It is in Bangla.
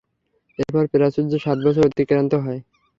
এরপর প্রাচুর্যের সাত বছর অতিক্রান্ত হয়।